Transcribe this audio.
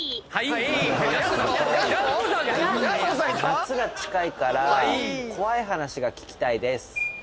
夏が近いから怖い話が聞きたいです。